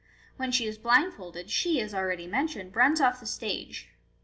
When she is blindfolded, she, as already mentioned, runs off the stage.